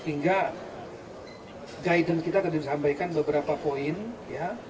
sehingga guidance kita tadi disampaikan beberapa poin ya